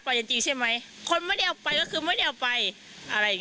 จริงจริงใช่ไหมคนไม่ได้เอาไปก็คือไม่ได้เอาไปอะไรอย่างเ